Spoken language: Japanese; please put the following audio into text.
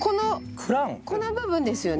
このこの部分ですよね？